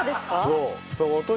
そう。